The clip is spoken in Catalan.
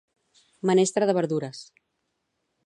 Menestra de verdures